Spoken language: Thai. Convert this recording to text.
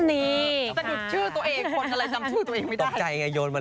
สะดุชื่อตัวเองคนอะไรทำชื่อตัวเองไม่ได้